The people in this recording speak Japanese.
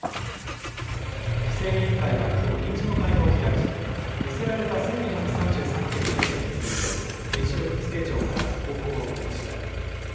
規制委員会はきょう臨時の会合を開き、寄せられた１２３３件の意見について原子力規制庁から報告を受けました。